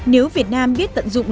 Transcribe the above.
nếu việt nam biết tận dụng